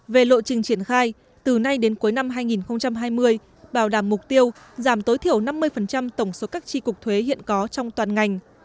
về lộ trình triển khai từ nay đến cuối năm hai nghìn hai mươi bảo đảm mục tiêu giảm tối thiểu năm mươi tổng số các tri cục thuế hiện có trong toàn ngành